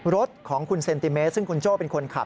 รถของคุณเซนติเมตรซึ่งคุณโจ้เป็นคนขับ